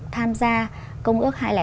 tham gia công ước hai trăm linh ba